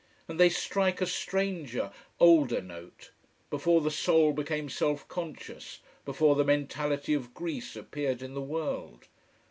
And they strike a stranger, older note: before the soul became self conscious: before the mentality of Greece appeared in the world.